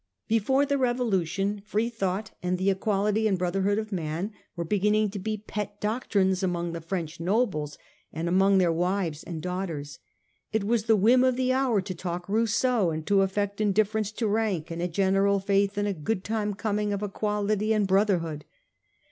Before the Revolution, free thought and the equality and brotherhood of man were beginning to be pet doctrines among the French nobles and among their wives and daughters. It was the whim of the hour to talk Rousseau, and to affect indifference to rank and a general faith in a good time coming of equality and brotherhood.